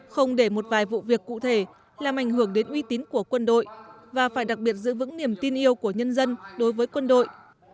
không để một vài vụ việc cụ thể làm ảnh hưởng đến uy tín của quân đội và phải đặc biệt giữ vững niềm tin yêu của nhân dân đối với quân đội